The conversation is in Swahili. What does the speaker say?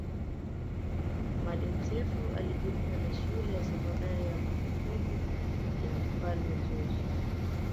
Maalim Self alijiunga na shule ya sekondari ya kumbukumbu ya mfalme George